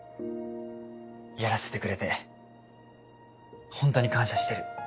やらせてくれて本当に感謝してる。